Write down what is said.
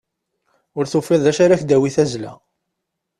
Ur tufiḍ d acu ara k-d-tawi tazzla.